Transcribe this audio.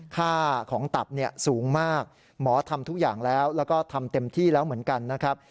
ค่าของตับเนี่ยสูงมากหมอทำทุกอย่างแล้วแล้วก็ทำเต็มที่แล้วเหมือนกันนะครับ